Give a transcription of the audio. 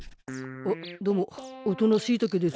どうもおとなしいたけです。